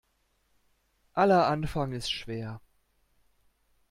Aller Anfang ist schwer.